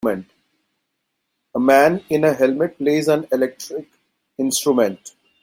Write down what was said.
A man in a helmet plays an electric instrument.